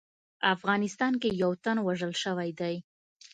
افغانستان کې یو تن وژل شوی دی